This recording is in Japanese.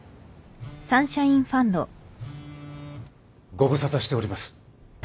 ご無沙汰しております。